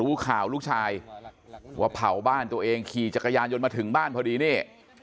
รู้ข่าวลูกชายว่าเผาบ้านตัวเองขี่จักรยานยนต์มาถึงบ้านพอดีนี่